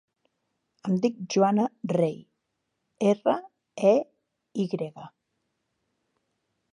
Em dic Joana Rey: erra, e, i grega.